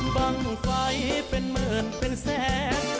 บ้างไฟเป็นหมื่นเป็นแสน